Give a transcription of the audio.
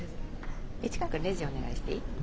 市川くんレジお願いしていい？